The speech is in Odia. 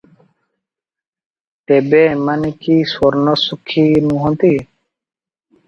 ତେବେ ଏମାନେ କି ପୂର୍ଣ୍ଣ ସୁଖୀ ନୁହନ୍ତି?